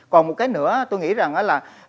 còn một cái nữa tôi nghĩ rằng là